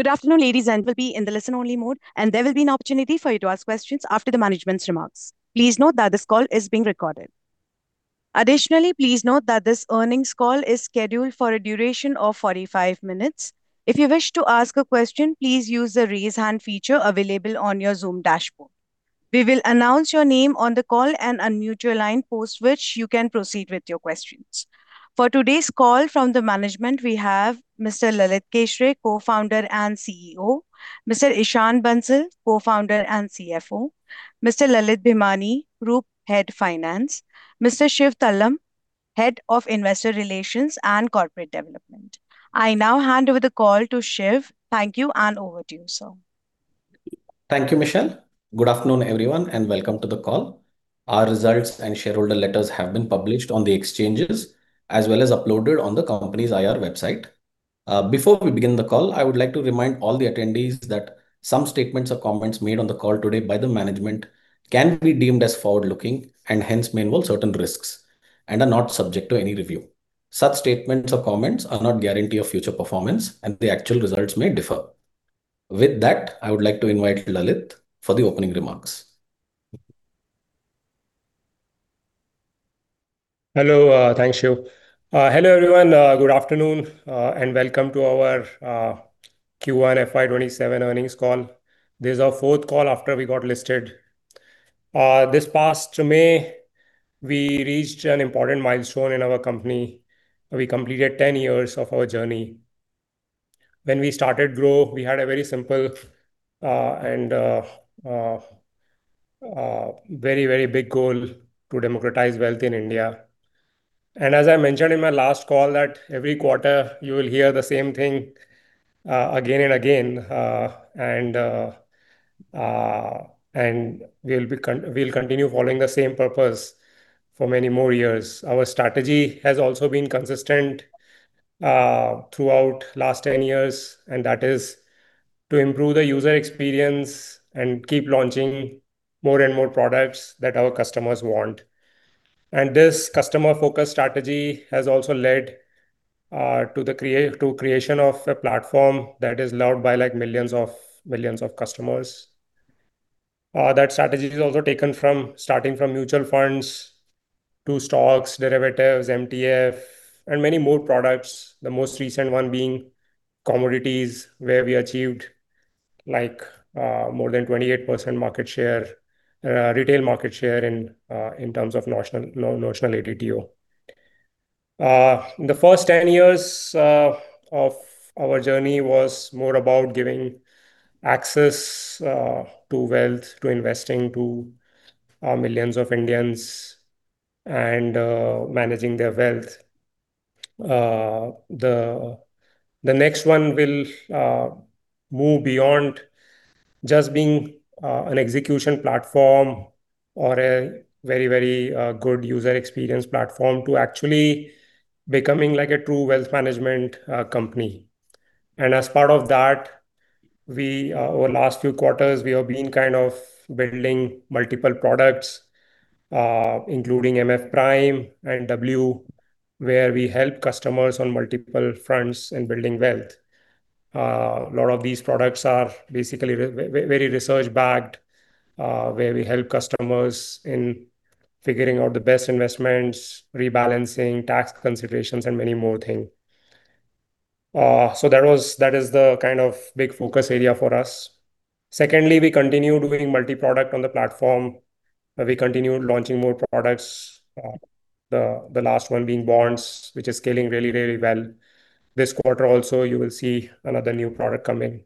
Good afternoon. This call will be in the listen only mode, and there will be an opportunity for you to ask questions after the management's remarks. Please note that this call is being recorded. Additionally, please note that this earnings call is scheduled for a duration of 45 minutes. If you wish to ask a question, please use the Raise Hand feature available on your Zoom dashboard. We will announce your name on the call and unmute your line, post which you can proceed with your questions. For today's call, from the management, we have Mr. Lalit Keshre, Co-founder and CEO, Mr. Ishan Bansal, Co-founder and CFO, Mr. Lalit Bhimani, Group Head Finance, Mr. Shiv Tallam, Head of Investor Relations and Corporate Development. I now hand over the call to Shiv. Thank you, and over to you, sir. Thank you, Michelle. Good afternoon, everyone, and welcome to the call. Our results and shareholder letters have been published on the exchanges, as well as uploaded on the company's IR website. Before we begin the call, I would like to remind all the attendees that some statements or comments made on the call today by the management can be deemed as forward-looking, and hence may involve certain risks, and are not subject to any review. Such statements or comments are not guarantee of future performance, and the actual results may differ. With that, I would like to invite Lalit for the opening remarks. Hello. Thanks, Shiv. Hello, everyone. Good afternoon, and welcome to our Q1 FY 2027 earnings call. This is our fourth call after we got listed. This past May, we reached an important milestone in our company. We completed 10 years of our journey. When we started Groww, we had a very simple and very big goal to democratize wealth in India. As I mentioned in my last call, that every quarter you will hear the same thing again and again. We'll continue following the same purpose for many more years. Our strategy has also been consistent throughout last 10 years, and that is to improve the user experience and keep launching more and more products that our customers want. This customer-focused strategy has also led to creation of a platform that is loved by millions of customers. That strategy is also taken from starting from mutual funds to stocks, derivatives, MTF, and many more products. The most recent one being commodities, where we achieved more than 28% retail market share in terms of notional ADTO. The first 10 years of our journey was more about giving access to wealth, to investing, to millions of Indians and managing their wealth. The next one will move beyond just being an execution platform or a very good user experience platform to actually becoming like a true wealth management company. As part of that, over last few quarters, we have been building multiple products, including MF Prime and W, where we help customers on multiple fronts in building wealth. A lot of these products are basically very research-backed, where we help customers in figuring out the best investments, rebalancing, tax considerations, and many more thing. That is the big focus area for us. Secondly, we continue doing multi-product on the platform, where we continue launching more products. The last one being bonds, which is scaling really well. This quarter also, you will see another new product coming.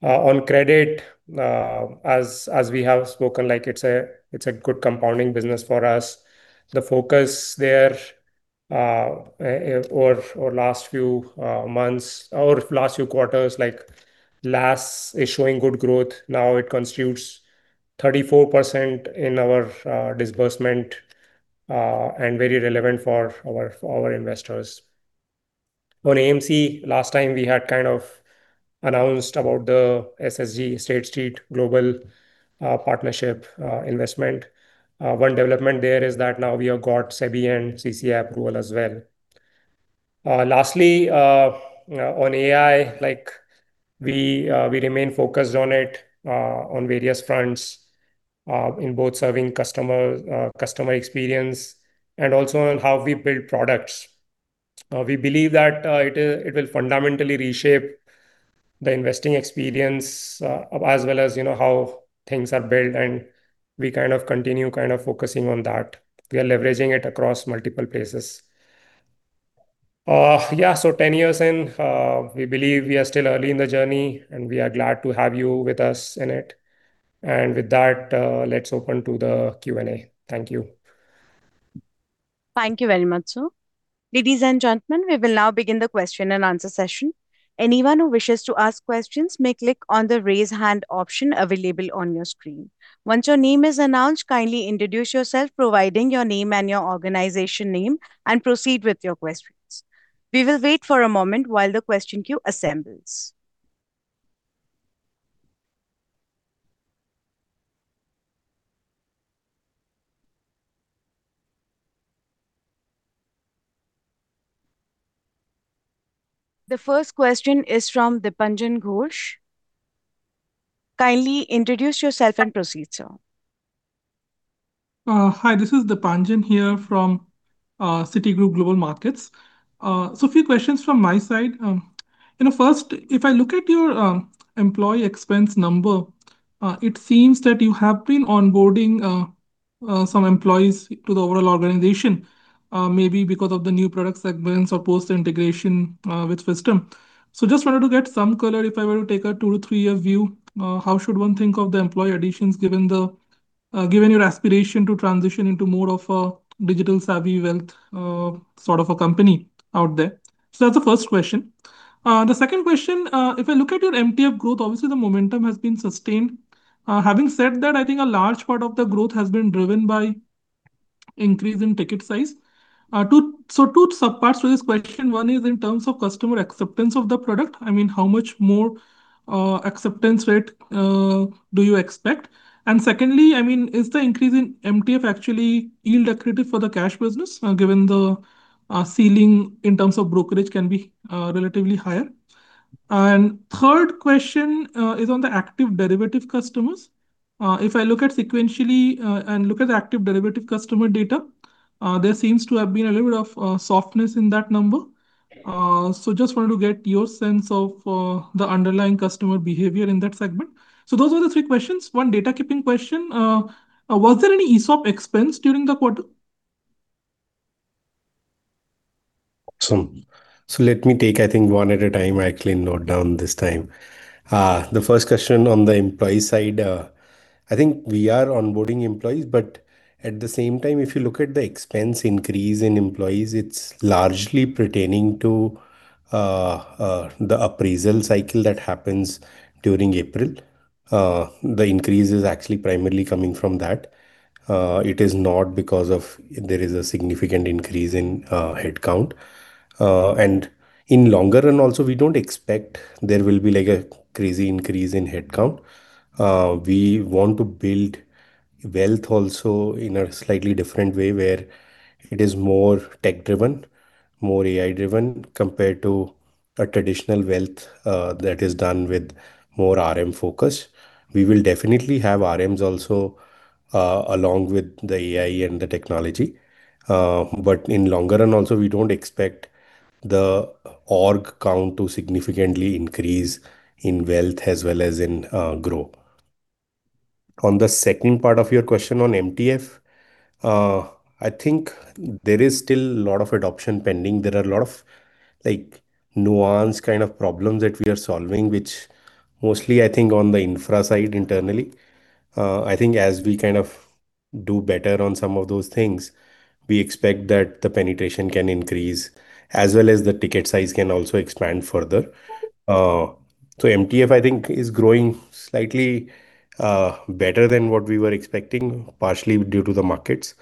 On credit, as we have spoken, it's a good compounding business for us. The focus there over last few months, over last few quarters, is showing good growth. Now it constitutes 34% in our disbursement, and very relevant for our investors. On AMC, last time we had announced about the [SSGA], State Street Global partnership investment. One development there is that now we have got SEBI and CCI approval as well. Lastly, on AI, we remain focused on it, on various fronts, in both serving customer experience and also on how we build products. We believe that it will fundamentally reshape the investing experience, as well as how things are built, and we continue focusing on that. We are leveraging it across multiple places. Yeah. 10 years in, we believe we are still early in the journey, and we are glad to have you with us in it. With that, let's open to the Q&A. Thank you. Thank you very much, sir. Ladies and gentlemen, we will now begin the question-and-answer session. Anyone who wishes to ask questions may click on the Raise Hand option available on your screen. Once your name is announced, kindly introduce yourself, providing your name and your organization name, and proceed with your questions. We will wait for a moment while the question queue assembles. The first question is from Dipanjan Ghosh. Kindly introduce yourself and proceed, sir. Hi, this is Dipanjan here from Citigroup Global Markets. A few questions from my side. First, if I look at your employee expense number, it seems that you have been onboarding some employees to the overall organization, maybe because of the new product segments or post-integration with Fisdom. Just wanted to get some color, if I were to take a two, three-year view, how should one think of the employee additions given your aspiration to transition into more of a digital-savvy wealth sort of a company out there? That's the first question. The second question, if I look at your MTF growth, obviously, the momentum has been sustained. Having said that, I think a large part of the growth has been driven by increase in ticket size. Two sub-parts to this question. One is in terms of customer acceptance of the product, how much more acceptance rate do you expect? Secondly, is the increase in MTF actually yield accretive for the cash business, given the ceiling in terms of brokerage can be relatively higher? Third question is on the active derivative customers. If I look at sequentially and look at the active derivative customer data, there seems to have been a little bit of softness in that number. Just wanted to get your sense of the underlying customer behavior in that segment. Those were the three questions. One data-keeping question, was there any ESOP expense during the quarter? Awesome. Let me take, I think, one at a time. I actually noted down this time. The first question on the employee side, I think we are onboarding employees, at the same time, if you look at the expense increase in employees, it's largely pertaining to the appraisal cycle that happens during April. The increase is actually primarily coming from that. There is a significant increase in headcount. In longer run also, we don't expect there will be a crazy increase in headcount. We want to build wealth also in a slightly different way, where it is more tech-driven, more AI-driven compared to a traditional wealth that is done with more RM focus. We will definitely have RMs also along with the AI and the technology. In longer run also, we don't expect the org count to significantly increase in wealth as well as in Groww. On the second part of your question on MTF, I think there is still a lot of adoption pending. There are a lot of nuance kind of problems that we are solving, which mostly, I think, on the infra side internally. I think as we do better on some of those things, we expect that the penetration can increase as well as the ticket size can also expand further. MTF, I think, is growing slightly better than what we were expecting, partially due to the markets.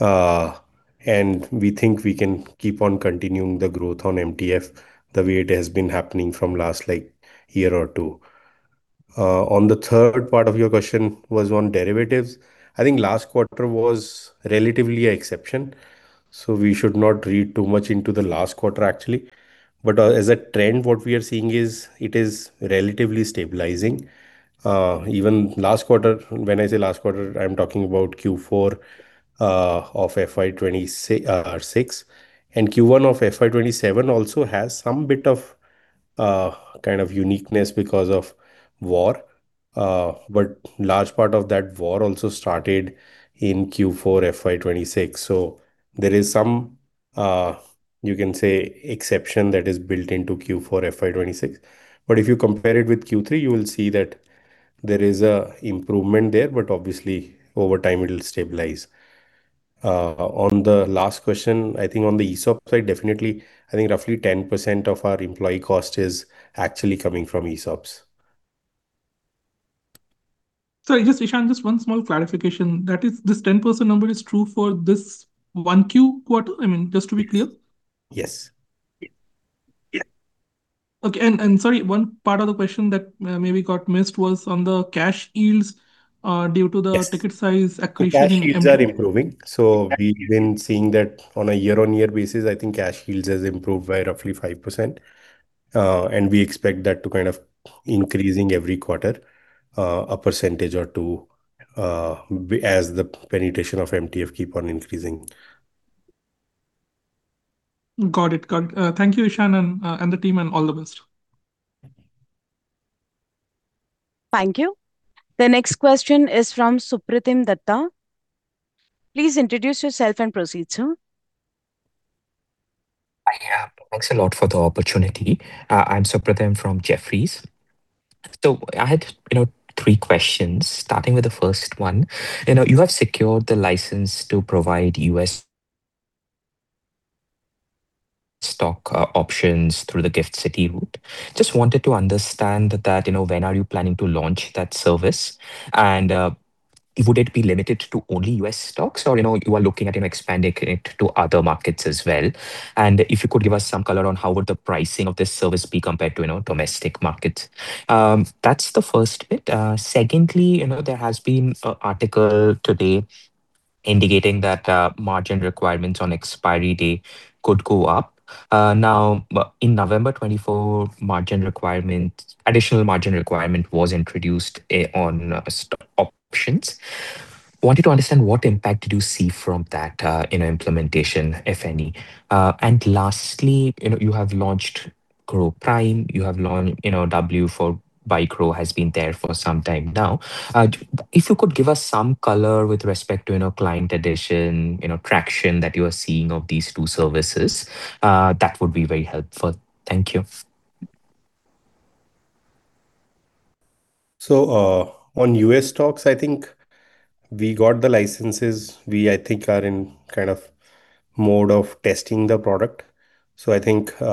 We think we can keep on continuing the growth on MTF the way it has been happening from last year or two. On the third part of your question was on derivatives. I think last quarter was relatively an exception, We should not read too much into the last quarter, actually. As a trend, what we are seeing is it is relatively stabilizing. Even last quarter, when I say last quarter, I'm talking about Q4 of FY 2026, and Q1 of FY 2027 also has some bit of kind of uniqueness because of war. Large part of that war also started in Q4 FY 2026. There is some, you can say, exception that is built into Q4 FY 2026. If you compare it with Q3, you will see that there is a improvement there, but obviously, over time, it'll stabilize. On the last question, I think on the ESOP side, definitely, I think roughly 10% of our employee cost is actually coming from ESOPs. Sorry, just Ishan, just one small clarification. That is, this 10% number is true for this 1Q quarter? I mean, just to be clear. Yes. Yeah. Okay. Sorry, one part of the question that maybe got missed was on the cash yields due to the- Yes ticket size accretion. The cash yields are improving. We've been seeing that on a year-on-year basis, I think cash yields has improved by roughly 5%. We expect that to increase every quarter a percentage or two as the penetration of MTF keep on increasing. Got it. Thank you, Ishan, and the team, and all the best. Thank you. The next question is from Supratim Datta. Please introduce yourself and proceed, sir. Yeah. Thanks a lot for the opportunity. I'm Supratim from Jefferies. I had three questions, starting with the first one. You have secured the license to provide U.S. stock options through the GIFT City route. Just wanted to understand that when are you planning to launch that service? Would it be limited to only U.S. stocks, or you are looking at expanding it to other markets as well? If you could give us some color on how would the pricing of this service be compared to domestic markets. That's the first bit. Secondly, there has been a article today indicating that margin requirements on expiry date could go up. Now, in November 2024, additional margin requirement was introduced on stock options. Wanted to understand what impact did you see from that implementation, if any? Lastly, you have launched Groww Prime, W by Groww has been there for some time now. If you could give us some color with respect to client addition, traction that you are seeing of these two services, that would be very helpful. Thank you. On U.S. stocks, I think we got the licenses. We, I think are in mode of testing the product. I think we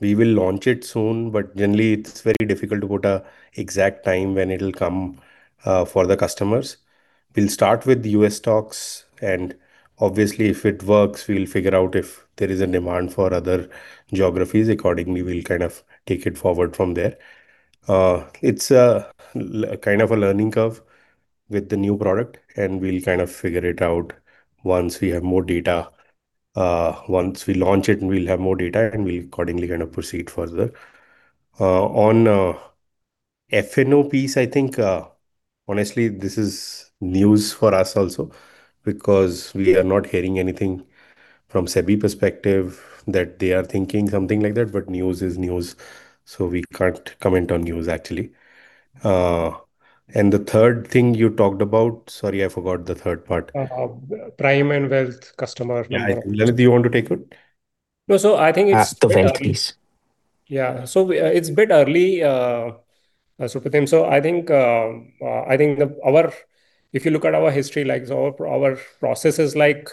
will launch it soon, but generally it's very difficult to put a exact time when it'll come for the customers. We'll start with U.S. stocks, and obviously if it works, we'll figure out if there is a demand for other geographies. Accordingly, we'll take it forward from there. It's a learning curve with the new product, and we'll figure it out once we have more data. Once we launch it, we'll have more data, and we'll accordingly proceed further. On F&O piece, I think, honestly, this is news for us also because we are not hearing anything from SEBI perspective that they are thinking something like that, but news is news, we can't comment on news actually. The third thing you talked about, sorry, I forgot the third part. Prime and wealth customer. Yeah. Lalit, do you want to take it? No, I think. The wealth piece. Yeah. It's a bit early, Supratim. I think if you look at our history, our processes like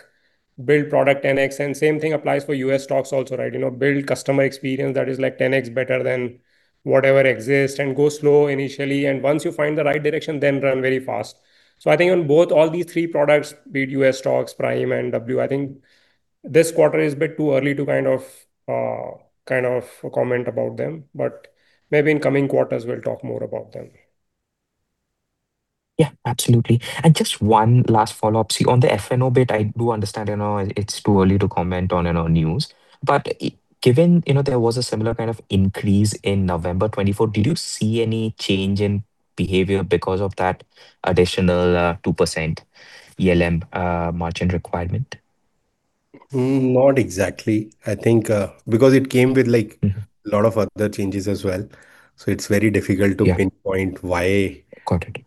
build product 10X, and same thing applies for U.S. stocks also, right? Build customer experience that is 10X better than whatever exists, and go slow initially. Once you find the right direction, run very fast. I think on both, all these three products, be it U.S. stocks, Prime, and W, I think this quarter is a bit too early to comment about them. Maybe in coming quarters we'll talk more about them. Yeah, absolutely. Just one last follow-up. See, on the F&O bit, I do understand it's too early to comment on our news. Given there was a similar kind of increase in November 2024, did you see any change in behavior because of that additional 2% ELM margin requirement? Not exactly. I think because it came with- Yeah. a lot of other changes as well, so it's very difficult to- Yeah. pinpoint why- Got it.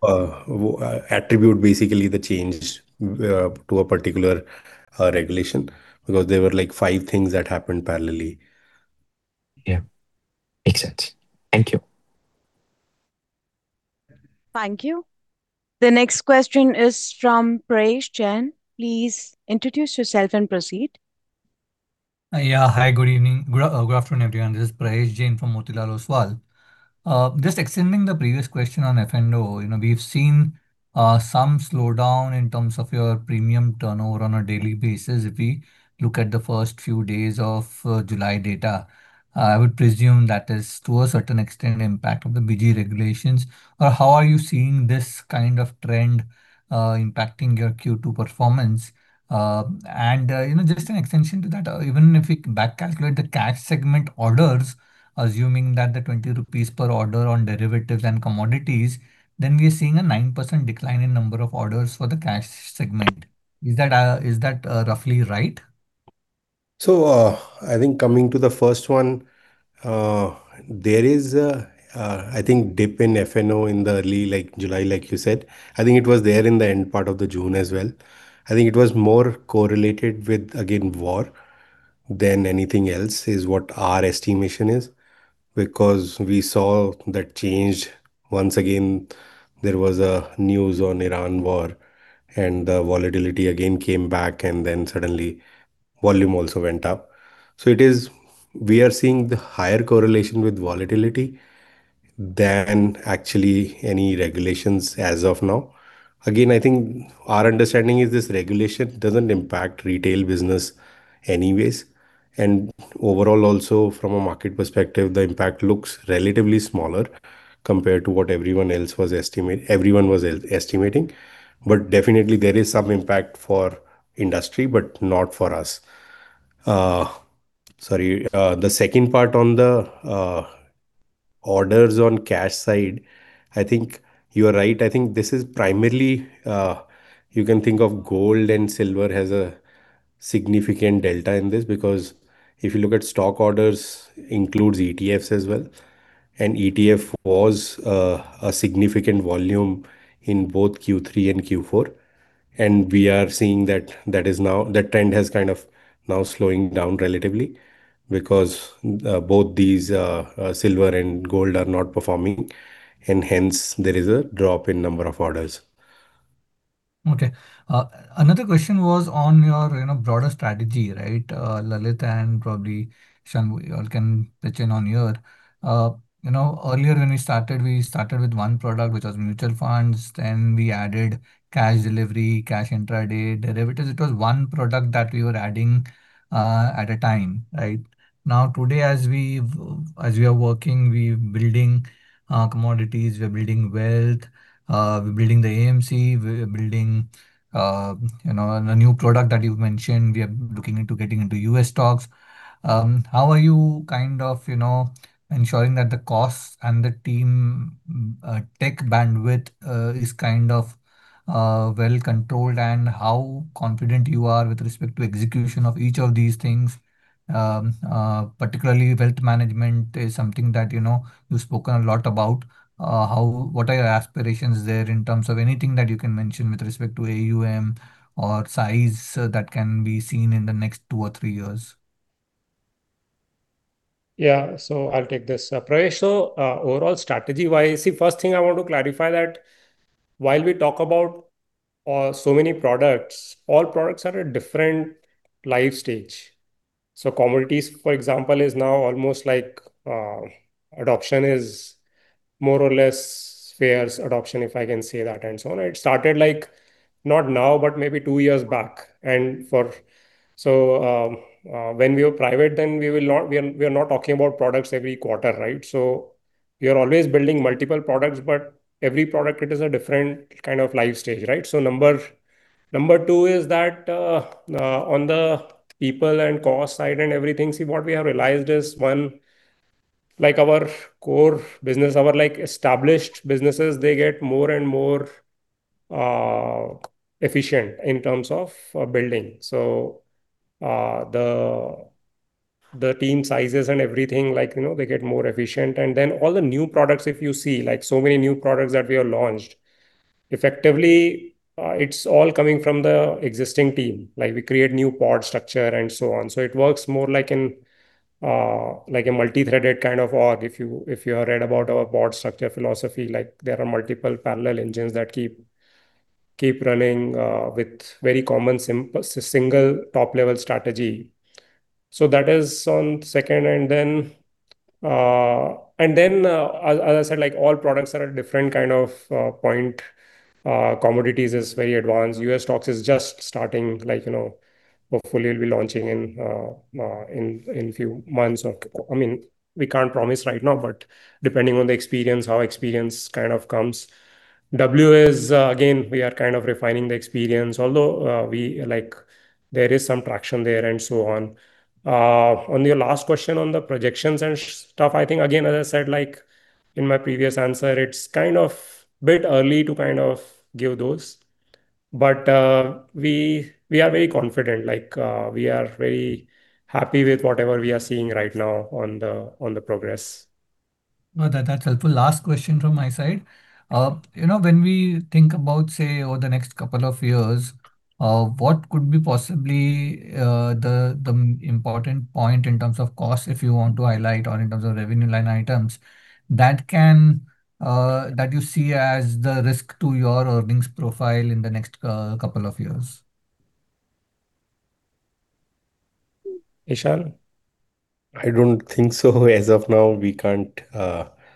attribute basically the change to a particular regulation because there were five things that happened parallelly. Yeah. Makes sense. Thank you. Thank you. The next question is from Prayesh Jain. Please introduce yourself and proceed. Hi, good evening, good afternoon, everyone. This is Prayesh Jain from Motilal Oswal. Just extending the previous question on F&O. We've seen some slowdown in terms of your premium turnover on a daily basis if we look at the first few days of July data. I would presume that is, to a certain extent, impact of the BG regulations. How are you seeing this kind of trend impacting your Q2 performance? Just an extension to that, even if we back calculate the cash segment orders, assuming that the 20 rupees per order on derivatives and commodities, then we are seeing a 9% decline in number of orders for the cash segment. Is that roughly right? Coming to the first one, there is I think dip in F&O in the early July, like you said. It was there in the end part of the June as well. It was more correlated with, again, war than anything else, is what our estimation is. We saw that change once again, there was news on Iran war and the volatility again came back, then suddenly volume also went up. We are seeing the higher correlation with volatility than actually any regulations as of now. Our understanding is this regulation doesn't impact retail business anyways. Overall also from a market perspective, the impact looks relatively smaller compared to what everyone was estimating. Definitely there is some impact for industry, but not for us. Sorry. The second part on the orders on cash side, you are right. This is primarily, you can think of gold and silver has a significant delta in this because if you look at stock orders includes ETFs as well, and ETF was a significant volume in both Q3 and Q4. We are seeing that that trend has now slowing down relatively because both these silver and gold are not performing, and hence there is a drop in number of orders. Another question was on your broader strategy, right? Lalit and probably Ishan, you all can pitch in on here. Earlier when we started, we started with one product, which was mutual funds. We added cash delivery, cash intraday, derivatives. It was one product that we were adding at a time. Today, as we are working, we're building commodities, we're building wealth, we're building the AMC, we're building a new product that you've mentioned. We are looking into getting into U.S. stocks. How are you ensuring that the costs and the team tech bandwidth is well-controlled, and how confident you are with respect to execution of each of these things? Particularly wealth management is something that you've spoken a lot about. What are your aspirations there in terms of anything that you can mention with respect to AUM or size that can be seen in the next two or three years? Yeah. I'll take this, Prayesh. Overall strategy-wise, see, first thing I want to clarify that while we talk about so many products, all products are at different life stage. Commodities, for example, is now almost like adoption is more or less fair adoption, if I can say that, and so on. It started not now, but maybe two years back. When we were private then, we are not talking about products every quarter, right? We are always building multiple products, but every product, it is a different kind of life stage, right? Number two is that, on the people and cost side and everything, see, what we have realized is, one, our core business, our established businesses, they get more and more efficient in terms of building. The team sizes and everything, they get more efficient. All the new products, if you see, so many new products that we have launched, effectively, it's all coming from the existing team. We create new pod structure and so on. It works more like a multi-threaded kind of org. If you have read about our pod structure philosophy, there are multiple parallel engines that keep running with very common, single top-level strategy. That is on second. As I said, all products are at a different kind of point. Commodities is very advanced. U.S. stocks is just starting. Hopefully, it'll be launching in few months. We can't promise right now, but depending on the experience, how experience comes. W is, again, we are kind of refining the experience, although there is some traction there and so on. On your last question on the projections and stuff, I think, again, as I said in my previous answer, it's a bit early to give those. We are very confident. We are very happy with whatever we are seeing right now on the progress. No, that's helpful. Last question from my side. When we think about, say, over the next couple of years, what could be possibly the important point in terms of cost, if you want to highlight, or in terms of revenue line items that you see as the risk to your earnings profile in the next couple of years? Ishan? I don't think so. As of now, we can't.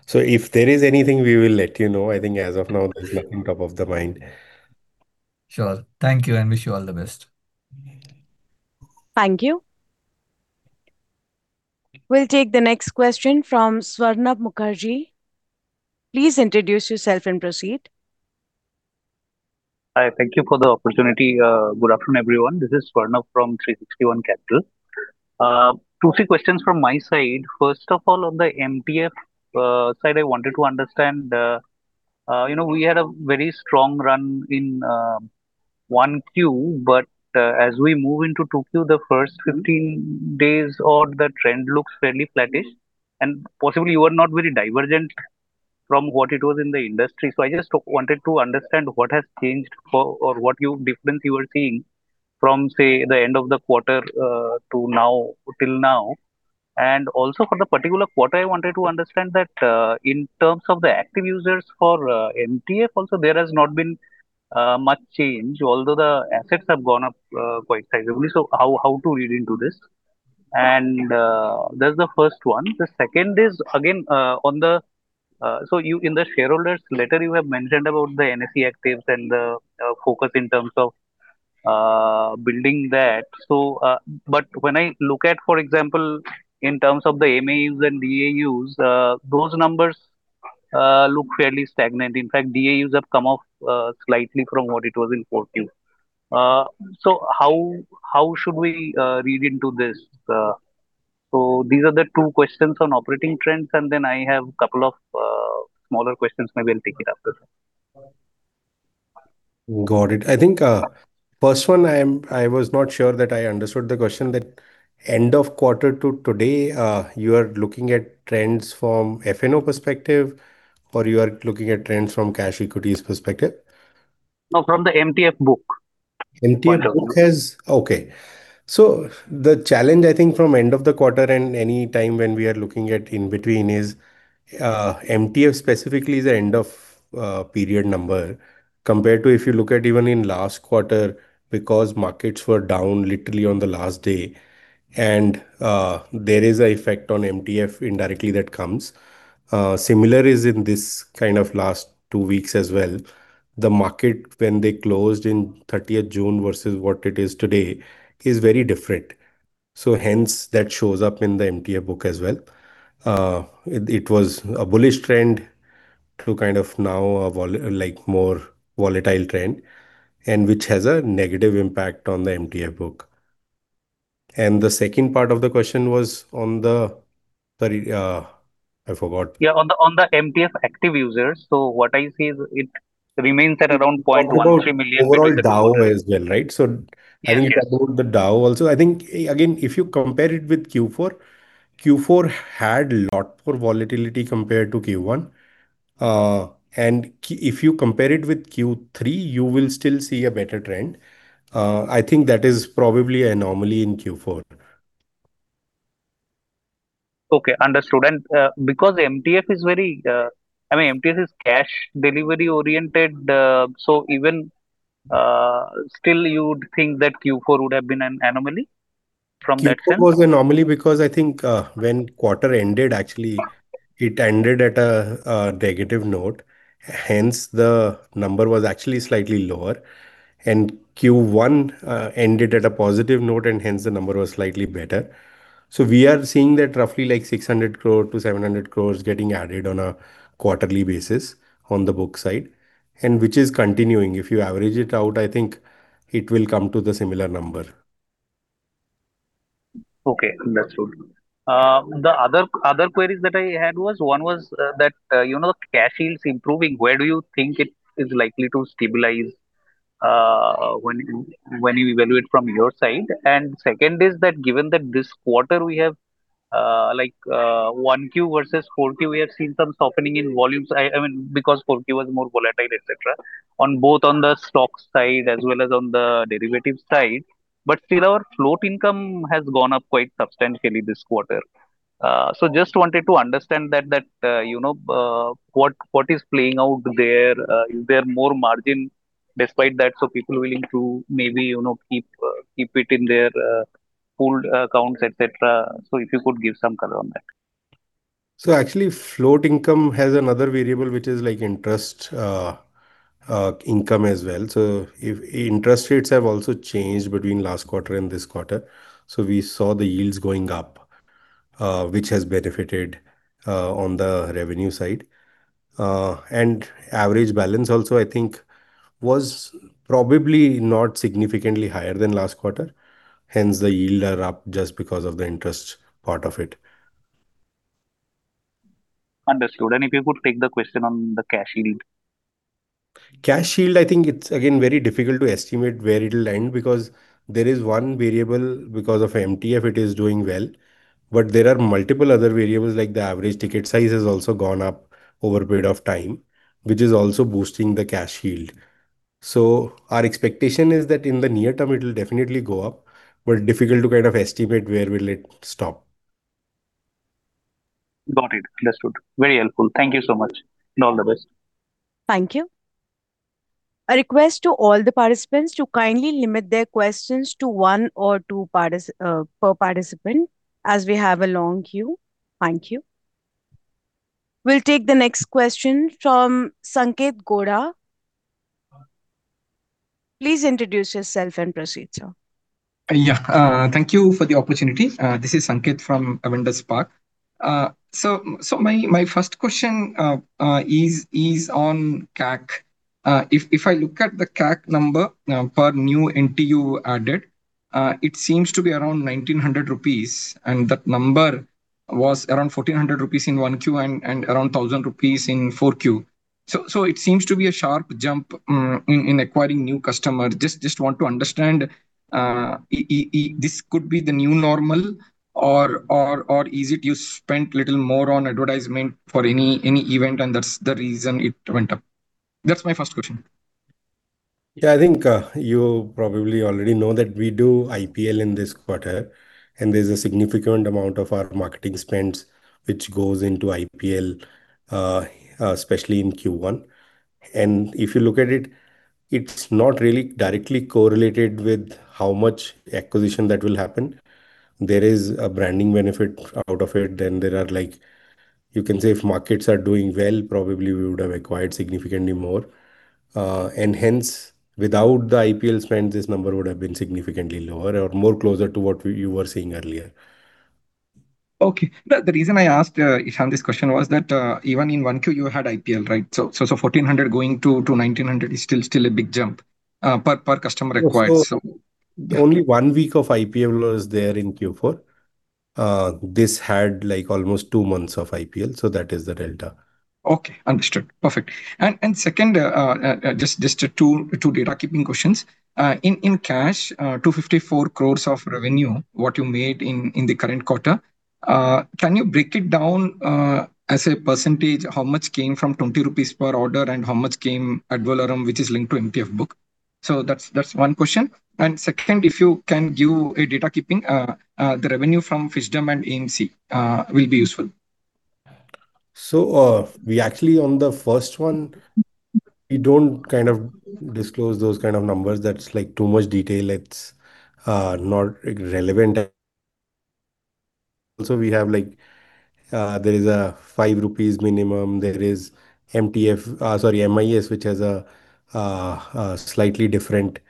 If there is anything, we will let you know. I think as of now, there's nothing top of the mind. Sure. Thank you and wish you all the best. Thank you. We'll take the next question from Swarnab Mukherjee. Please introduce yourself and proceed. Hi. Thank you for the opportunity. Good afternoon, everyone. This is Swarnab from 360 ONE Capital. Three questions from my side. First of all, on the MTF side, I wanted to understand, we had a very strong run in 1Q, but as we move into 2Q, the first 15 days or the trend looks fairly flattish, and possibly you are not very divergent from what it was in the industry. I just wanted to understand what has changed or what difference you are seeing from, say, the end of the quarter till now. Also for the particular quarter, I wanted to understand that in terms of the active users for MTF also, there has not been much change, although the assets have gone up quite sizably. How to read into this? That's the first one. The second is, again, in the shareholders letter, you have mentioned about the NSE actives and the focus in terms of building that. When I look at, for example, in terms of the MAUs and DAUs, those numbers look fairly stagnant. In fact, DAUs have come off slightly from what it was in 4Q. How should we read into this? These are the two questions on operating trends, and then I have couple of smaller questions. Maybe I'll take it after. Got it. I think, first one, I was not sure that I understood the question that end of quarter to today, you are looking at trends from F&O perspective, or you are looking at trends from cash equities perspective? No, from the MTF book. MTF book has, okay. The challenge, I think from end of the quarter and any time when we are looking at in between is, MTF specifically is the end of period number compared to if you look at even in last quarter, because markets were down literally on the last day, and there is an effect on MTF indirectly that comes. Similar is in this kind of last two weeks as well. The market, when they closed in 30th June versus what it is today is very different. Hence that shows up in the MTF book as well. It was a bullish trend to kind of now a more volatile trend and which has a negative impact on the MTF book. And the second part of the question was on the I forgot. Yeah, on the MTF active users. What I see is it remains at around 0.13 million. Talk about overall DAU as well, right? Yes. I think about the DAU also, I think again, if you compare it with Q4 had lot more volatility compared to Q1. If you compare it with Q3, you will still see a better trend. I think that is probably anomaly in Q4. Okay, understood. Because MTF is, I mean, MTF is cash delivery-oriented, even still, you would think that Q4 would have been an anomaly from that sense? Q4 was anomaly because I think when quarter ended, actually it ended at a negative note, hence the number was actually slightly lower. Q1 ended at a positive note and hence the number was slightly better. We are seeing that roughly 600 crore-700 crore getting added on a quarterly basis on the book side, which is continuing. If you average it out, I think it will come to the similar number. Okay. Understood. The other queries that I had was, one was that cash yields improving, where do you think it is likely to stabilize when you evaluate from your side? Second is that given that this quarter we have 1Q versus 4Q, we have seen some softening in volumes, because 4Q was more volatile, et cetera, on both on the stock side as well as on the derivative side. Still our float income has gone up quite substantially this quarter. Just wanted to understand that, what is playing out there? Is there more margin despite that, so people willing to maybe keep it in their pooled accounts, et cetera? If you could give some color on that. Actually, float income has another variable, which is interest income as well. If interest rates have also changed between last quarter and this quarter. We saw the yields going up, which has benefited on the revenue side. Average balance also I think was probably not significantly higher than last quarter, hence the yield are up just because of the interest part of it. Understood. If you could take the question on the cash yield. Cash yield, I think it's again very difficult to estimate where it'll end because there is one variable because of MTF, it is doing well, but there are multiple other variables, like the average ticket size has also gone up over a period of time, which is also boosting the cash yield. Our expectation is that in the near term it'll definitely go up, but difficult to kind of estimate where will it stop. Got it. Understood. Very helpful. Thank you so much. All the best. Thank you. A request to all the participants to kindly limit their questions to one or two per participant, as we have a long queue. Thank you. We'll take the next question from Sanketh Godha. Please introduce yourself. Proceed, sir. Thank you for the opportunity. This is Sanketh from Avendus Spark. My first question is on CAC. If I look at the CAC number per new NTU added, it seems to be around 1,900 rupees, and that number was around 1,400 rupees in 1Q and around 1,000 rupees in 4Q. It seems to be a sharp jump in acquiring new customer. Just want to understand, this could be the new normal or is it you spent little more on advertisement for any event and that's the reason it went up? That's my first question. I think you probably already know that we do IPL in this quarter, and there's a significant amount of our marketing spends which goes into IPL, especially in Q1. If you look at it's not really directly correlated with how much acquisition that will happen. There is a branding benefit out of it. There are like, you can say if markets are doing well, probably we would have acquired significantly more. Hence, without the IPL spend, this number would have been significantly lower or more closer to what you were saying earlier. Okay. The reason I asked, Ishan, this question was that, even in 1Q you had IPL, right? Only one week of IPL was there in Q4. This had almost two months of IPL, that is the delta. Okay, understood. Perfect. Second, just two data-keeping questions. In cash, 254 crore of revenue, what you made in the current quarter? Can you break it down as a percentage, how much came from 20 rupees per order and how much came, which is linked to MTF book? That's one question. Second, if you can give a data-keeping the revenue from Fisdom and AMC will be useful. We actually, on the first one, we don't disclose those kind of numbers. That's too much detail. It's not relevant. Also, we have, there is a 5 rupees minimum. There is MIS, which has a slightly different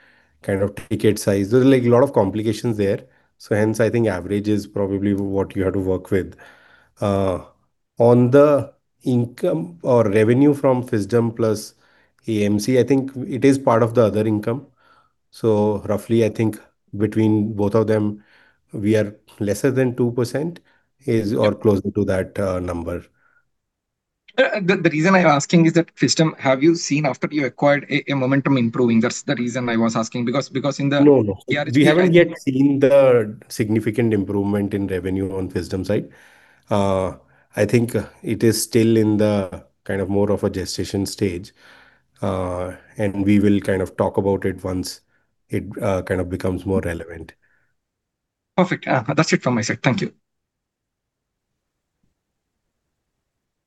kind of ticket size. There's a lot of complications there. Hence, I think average is probably what you have to work with. On the income or revenue from Fisdom plus AMC, I think it is part of the other income. Roughly, I think between both of them, we are lesser than 2% or closer to that number. The reason I'm asking is that Fisdom, have you seen after you acquired a momentum improving? That's the reason I was asking. No, no. We haven't yet seen the significant improvement in revenue on Fisdom side. I think it is still in the more of a gestation stage. We will talk about it once it becomes more relevant. Perfect. That's it from my side. Thank you.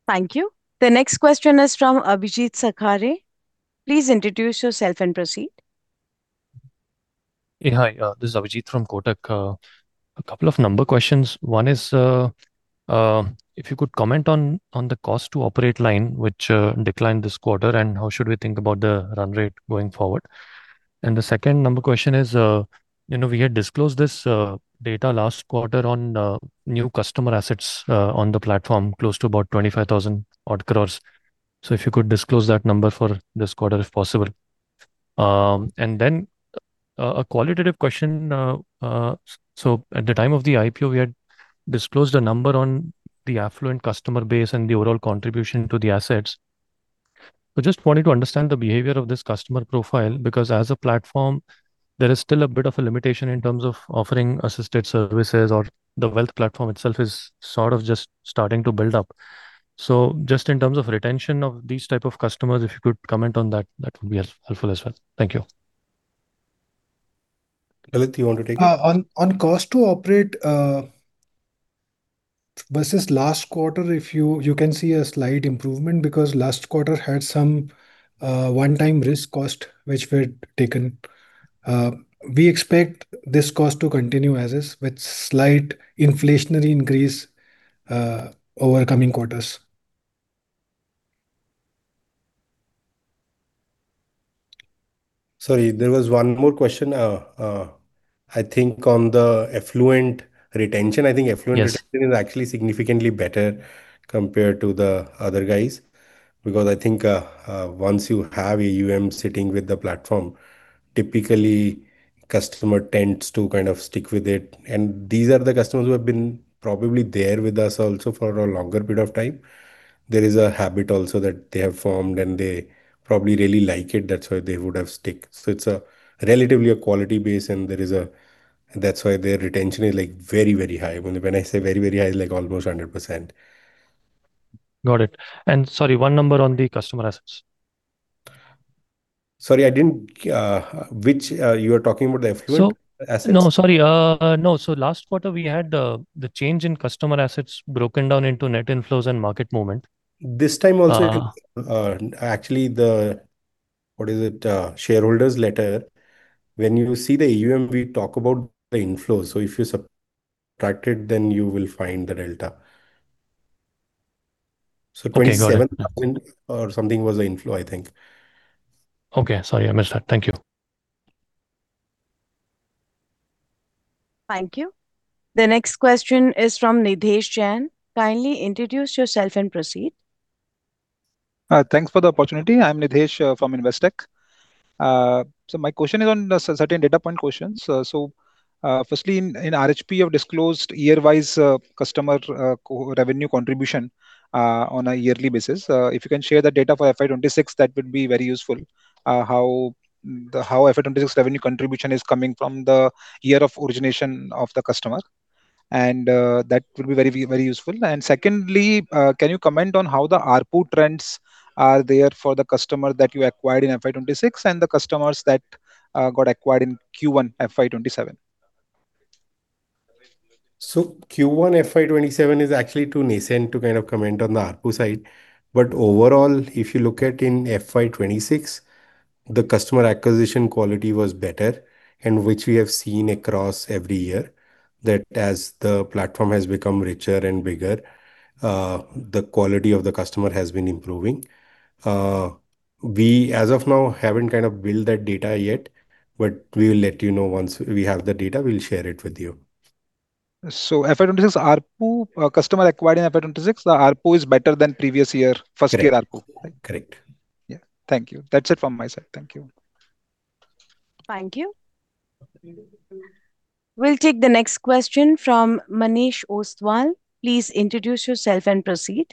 Thank you. The next question is from Abhijeet Sakhare. Please introduce yourself and proceed. Hi. This is Abhijeet from Kotak. A couple of number questions. One is, if you could comment on the cost to operate line, which declined this quarter, and how should we think about the run rate going forward? The second number question is, we had disclosed this data last quarter on new customer assets on the platform, close to about 25,000 crore. A qualitative question. At the time of the IPO, we had disclosed a number on the affluent customer base and the overall contribution to the assets. Just wanted to understand the behavior of this customer profile, because as a platform, there is still a bit of a limitation in terms of offering assisted services or the wealth platform itself is sort of just starting to build up. Just in terms of retention of these type of customers, if you could comment on that would be helpful as well. Thank you. Lalit, you want to take it? On cost to operate versus last quarter, you can see a slight improvement because last quarter had some one-time risk cost, which were taken. We expect this cost to continue as is with slight inflationary increase over coming quarters. Sorry, there was one more question. I think on the affluent retention. Yes. Retention is actually significantly better compared to the other guys. I think once you have an AUM sitting with the platform, typically customer tends to stick with it. These are the customers who have been probably there with us also for a longer bit of time. There is a habit also that they have formed, and they probably really like it. That's why they would have stick. It's a relatively a quality base, and that's why their retention is very, very high. When I say very, very high, like almost 100%. Got it. Sorry, one number on the customer assets. Sorry, you were talking about the affluent assets? No, sorry. No. Last quarter, we had the change in customer assets broken down into net inflows and market movement. This time also. Uh- actually, the shareholders' letter, when you see the AUM, we talk about the inflows. If you subtract it, you will find the delta. Okay, got it. 27,000 or something was the inflow, I think. Okay. Sorry, I missed that. Thank you. Thank you. The next question is from Nidhesh Jain. Kindly introduce yourself and proceed. Thanks for the opportunity. I'm Nidhesh from Investec. My question is on a certain data point questions. Firstly, in RHP, you have disclosed year-wise customer revenue contribution on a yearly basis. If you can share the data for FY 2026, that would be very useful. How FY 2026 revenue contribution is coming from the year of origination of the customer. That will be very useful. Secondly, can you comment on how the ARPU trends are there for the customer that you acquired in FY 2026 and the customers that got acquired in Q1 FY 2027? Q1 FY 2027 is actually too nascent to comment on the ARPU side. Overall, if you look at in FY 2026, the customer acquisition quality was better, and which we have seen across every year, that as the platform has become richer and bigger, the quality of the customer has been improving. We, as of now, haven't built that data yet, but we will let you know once we have the data, we'll share it with you. FY 2026 ARPU, customer acquired in FY 2026, the ARPU is better than previous year, first year ARPU. Correct. Yeah. Thank you. That's it from my side. Thank you. Thank you. We'll take the next question from Manish Ostwal. Please introduce yourself and proceed.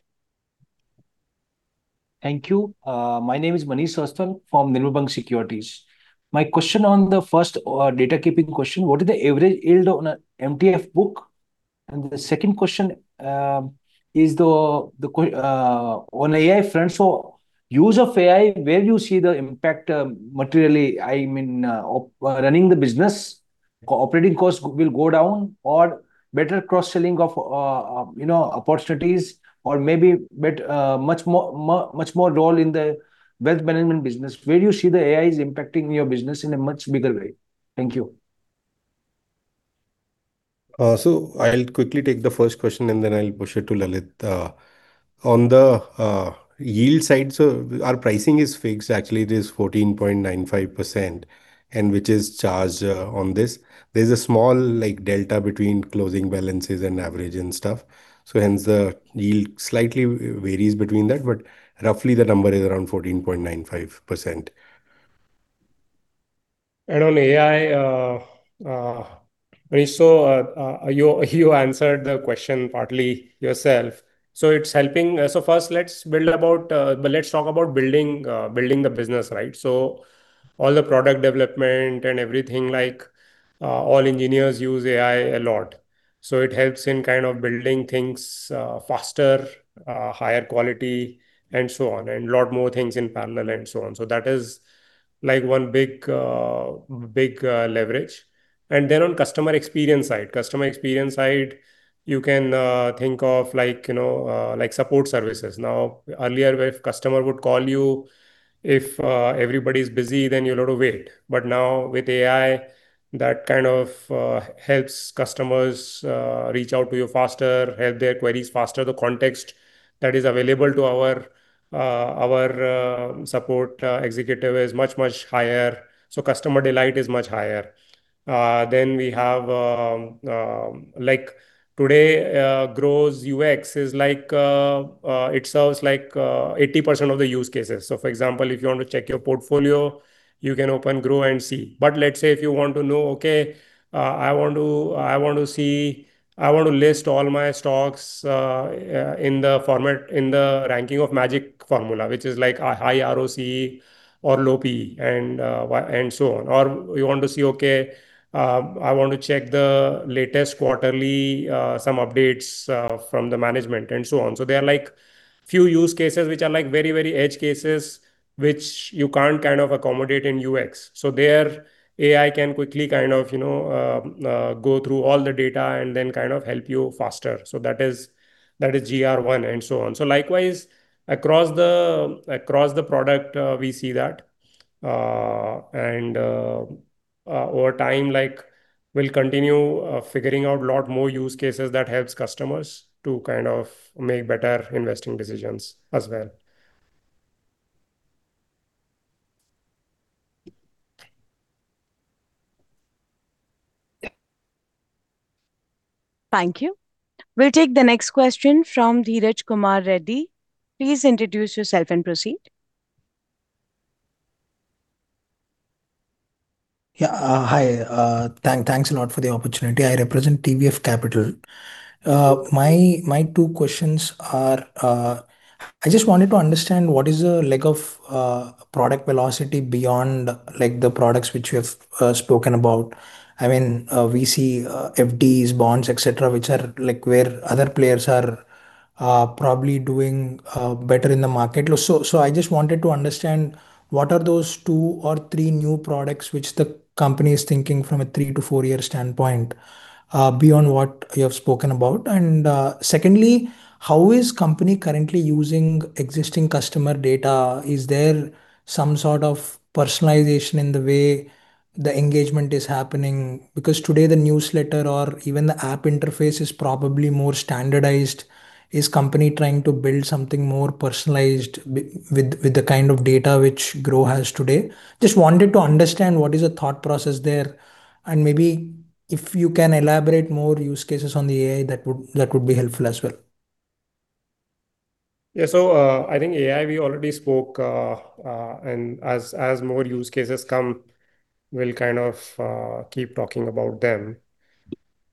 Thank you. My name is Manish Ostwal from Nirmal Bang Securities. My question on the first data keeping question, what is the average yield on a MTF book? The second question is on AI front. Use of AI, where you see the impact materially, running the business, operating costs will go down or better cross-selling of opportunities or maybe much more role in the wealth management business. Where you see the AI is impacting your business in a much bigger way? Thank you. I'll quickly take the first question and then I'll push it to Lalit. On the yield side, our pricing is fixed. Actually, it is 14.95%, and which is charged on this. There's a small delta between closing balances and average and stuff. Hence the yield slightly varies between that, but roughly the number is around 14.95%. On AI, Manish, you answered the question partly yourself. First let's talk about building the business. All the product development and everything, all engineers use AI a lot. It helps in kind of building things faster, higher quality, and so on, and a lot more things in parallel and so on. That is one big leverage. Then on customer experience side. Customer experience side, you can think of support services. Now, earlier, if customer would call you, if everybody's busy, then you will have to wait. Now with AI, that kind of helps customers reach out to you faster, have their queries faster. The context that is available to our support executive is much, much higher. Customer delight is much higher. Then we have, today Groww's UX it serves 80% of the use cases. For example, if you want to check your portfolio, you can open Groww and see. Let's say if you want to know, okay, I want to list all my stocks in the ranking of magic formula, which is a high ROC or low PE, and so on. You want to see, okay, I want to check the latest quarterly, some updates from the management and so on. There are few use cases which are very edge cases, which you can't accommodate in UX. There, AI can quickly go through all the data and then help you faster. That is GR1 and so on. Likewise, across the product, we see that. Over time, we will continue figuring out a lot more use cases that helps customers to make better investing decisions as well. Thank you. We will take the next question from Dheeraj Kumar Reddy. Please introduce yourself and proceed. Hi. Thanks a lot for the opportunity. I represent TVS Capital. My two questions are, I just wanted to understand what is the leg of product velocity beyond the products which you have spoken about. We see FDs, bonds, et cetera, which are where other players are probably doing better in the market. I just wanted to understand what are those two or three new products which the company is thinking from a three to four-year standpoint, beyond what you have spoken about. Secondly, how is company currently using existing customer data? Is there some sort of personalization in the way the engagement is happening? Because today the newsletter or even the app interface is probably more standardized. Is company trying to build something more personalized with the kind of data which Groww has today? Just wanted to understand what is the thought process there, and maybe if you can elaborate more use cases on the AI, that would be helpful as well. Yeah. I think AI, we already spoke, and as more use cases come, we'll keep talking about them.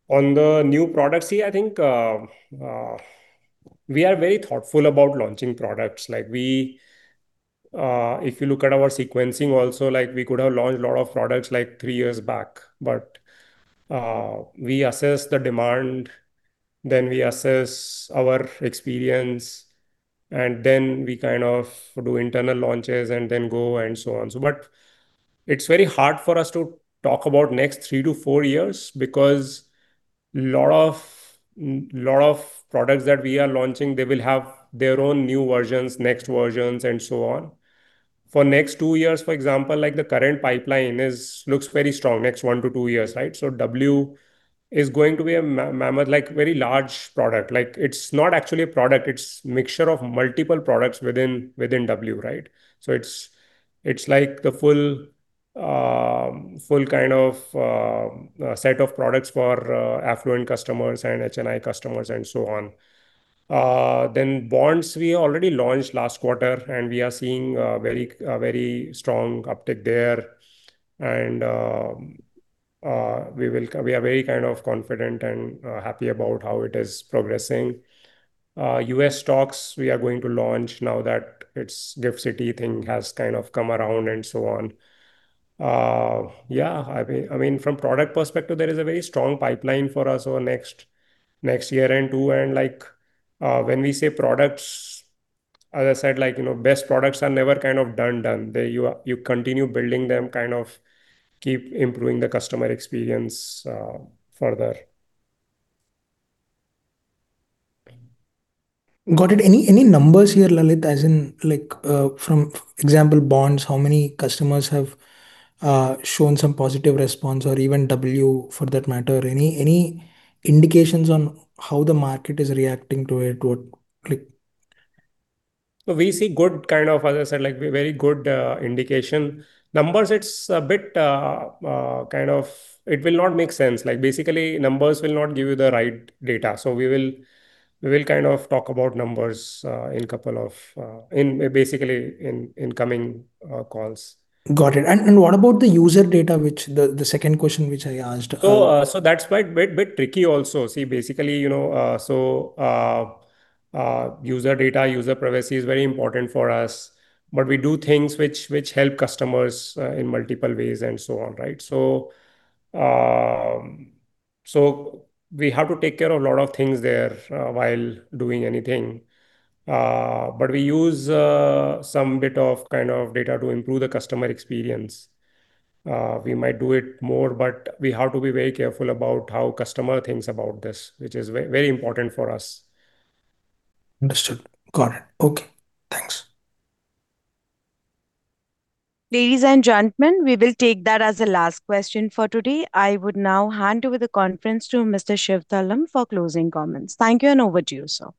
On the new products, see, I think we are very thoughtful about launching products. If you look at our sequencing also, we could have launched a lot of products three years back. We assess the demand, then we assess our experience, and then we do internal launches and then go and so on. It's very hard for us to talk about next three to four years because lot of products that we are launching, they will have their own new versions, next versions and so on. For next two years, for example, the current pipeline looks very strong. Next one to two years. W is going to be a mammoth, very large product. It's not actually a product, it's mixture of multiple products within W. It's the full kind of set of products for affluent customers and HNI customers and so on. Bonds, we already launched last quarter, and we are seeing a very strong uptick there. We are very confident and happy about how it is progressing. U.S. stocks, we are going to launch now that its GIFT City thing has come around and so on. From product perspective, there is a very strong pipeline for us over next year and two. When we say products, as I said, best products are never done. You continue building them, keep improving the customer experience further. Got it. Any numbers here, Lalit, as in, from example, bonds, how many customers have shown some positive response or even W for that matter? Any indications on how the market is reacting to a click? We see good, as I said, very good indication. Numbers, it's a bit. It will not make sense. Basically, numbers will not give you the right data. We will talk about numbers basically in coming calls. Got it. What about the user data? The second question which I asked. That's quite a bit tricky also. Basically, user data, user privacy is very important for us, but we do things which help customers in multiple ways and so on. We have to take care of a lot of things there while doing anything. We use some bit of data to improve the customer experience. We might do it more, but we have to be very careful about how customer thinks about this, which is very important for us. Understood. Got it. Okay, thanks. Ladies and gentlemen, we will take that as the last question for today. I would now hand over the conference to Mr. Shiv Tallam for closing comments. Thank you, and over to you, sir.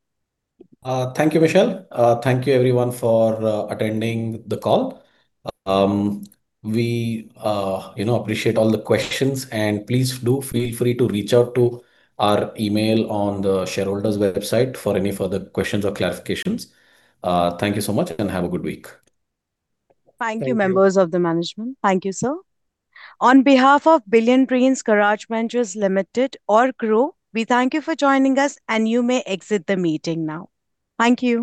Thank you, Michelle. Thank you everyone for attending the call. We appreciate all the questions. Please do feel free to reach out to our email on the shareholders' website for any further questions or clarifications. Thank you so much and have a good week. Thank you, members of the management. Thank you, sir. On behalf of Billionbrains Garage Ventures Limited, or Groww, we thank you for joining us. You may exit the meeting now. Thank you.